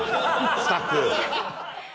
スタッフ！